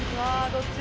どっち？